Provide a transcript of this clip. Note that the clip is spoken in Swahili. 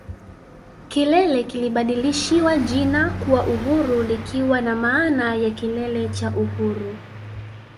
Kilele kilibadilishiwa jina kuwa Uhuru likiwa na maana ya Kilele cha Uhuru